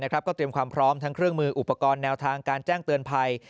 ก็เตรียมความพร้อมทั้งเครื่องมืออุปกรณ์แนวทางการแจ้งเตือนภัย